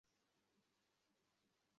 বিনোদের গোপনে টাকা লওয়া একেবারে বন্ধ হইল।